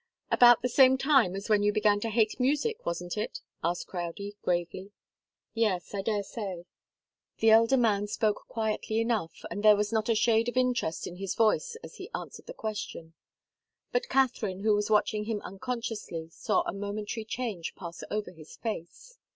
"About the same time as when you began to hate music, wasn't it?" asked Crowdie, gravely. "Yes, I daresay." The elder man spoke quietly enough, and there was not a shade of interest in his voice as he answered the question. But Katharine, who was watching him unconsciously, saw a momentary change pass over his face.